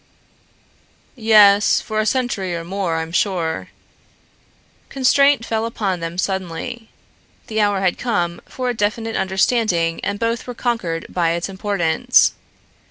"Yes, for a century or more, I'm sure." Constraint fell upon them suddenly. The hour had come for a definite understanding and both were conquered by its importance.